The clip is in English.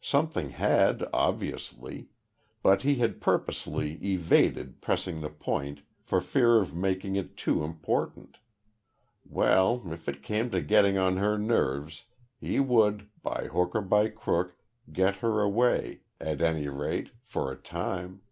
Something had obviously but he had purposely evaded pressing the point for fear of making it too important. Well, if it came to getting on her nerves, he would, by hook or by crook get her away at any rate for a time.